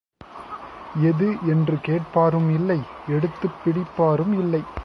எது என்று கேட்பாரும் இல்லை எடுத்துப் பிடிப்பாரும் இல்லை.